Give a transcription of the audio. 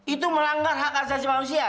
itu melanggar hak asasi manusia